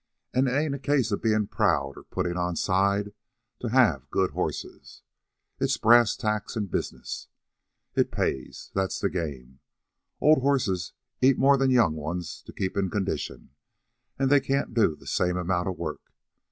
An' it ain't a case of bein' proud, or puttin' on side, to have good horses. It's brass tacks an' business. It pays. That's the game. Old horses eat more 'n young ones to keep in condition an' they can't do the same amount of work.